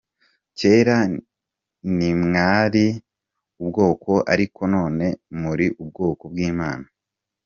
Kera ntimwari ubwoko ariko none muri ubwoko bw’Imana.